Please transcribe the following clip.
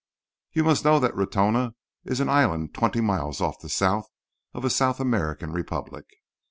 You must know that Ratona is an island twenty miles off the south of a South American republic.